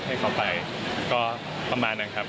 ให้เขาไปก็ประมาณนั้นครับ